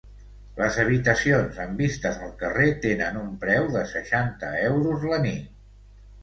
Les habitacions amb vistes al carrer tenen un preu de seixanta euros la nit.